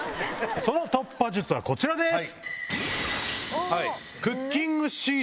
その突破術はこちらです。